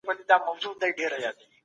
هغوی به په نوي کور کي اوسیږي.